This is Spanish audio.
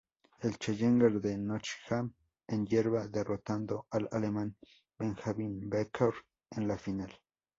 El Challenger de Nottingham en hierba, derrotando al alemán Benjamin Becker en la final.